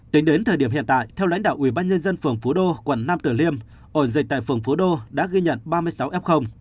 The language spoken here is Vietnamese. tính đến thời điểm hiện tại theo lãnh đạo ubnd phường phú đô quận nam tử liêm ổ dịch tại phường phú đô đã ghi nhận ba mươi sáu f